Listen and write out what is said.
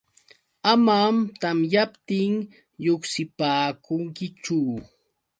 Amam tamyaptin lluqsipaakunkichu.